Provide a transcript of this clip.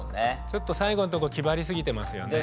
ちょっと最後のとこ気張りすぎてますよね。